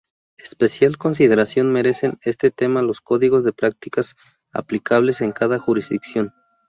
Especial consideración merecen en este tema los códigos de prácticas aplicables en cada jurisdicción.